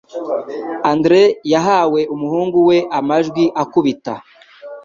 Andrea yahaye umuhungu we amajwi akubita